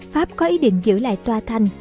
pháp có ý định giữ lại tòa thành